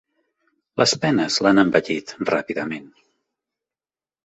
Les penes l'han envellit ràpidament.